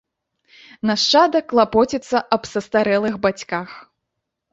Нашчадак клапоціцца аб састарэлых бацьках.